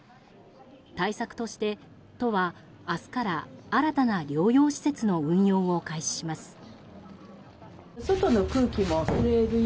対策として、都は明日から新たな療養施設の運用を開始します。